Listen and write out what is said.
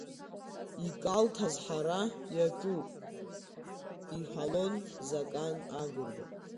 Икалҭ азҳара иаҿуп, иҳәалон Закан Агрба.